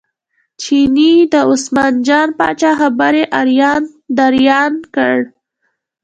چیني د عثمان جان پاچا خبرې اریان دریان کړ.